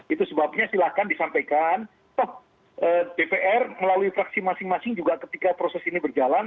itu sebabnya silahkan disampaikan toh dpr melalui fraksi masing masing juga ketika proses ini berjalan